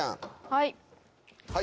はい。